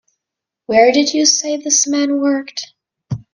Where did you say this man worked?